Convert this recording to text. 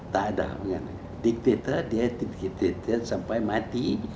tak ada diktator dia diktator sampai mati